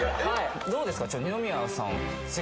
どうですか？